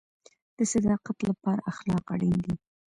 د صداقت لپاره اخلاق اړین دي